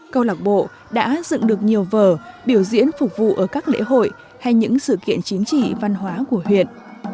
câu lạc bộ đã dựng được nhiều vở biểu diễn phục vụ ở các lễ hội hay những sự kiện chính trị văn hóa của huyện